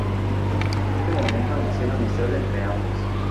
En este momento nació la amistad entre ambos.